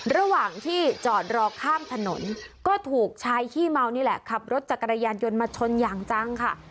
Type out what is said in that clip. ระหว่างที่จอดรอข้ามถนนก็ถูกชายขี้เมานี่แหละขับรถจักรยานยนต์มาชนอย่างจังค่ะ